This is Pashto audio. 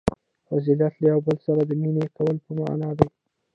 • فضیلت له یوه بل سره د مینې کولو په معنیٰ دی.